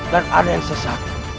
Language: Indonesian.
dan ada yang sesat